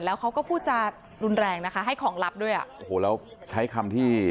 แล้วเขาก็พูดจะรุนแรงนะคะให้ของลับด้วยอ่ะโอ้โหแล้วใช้คำที่